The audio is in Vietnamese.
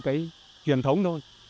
cái truyền thống thôi